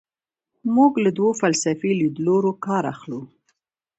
موږ له دوو فلسفي لیدلورو کار اخلو.